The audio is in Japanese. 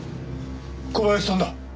小林さんだ。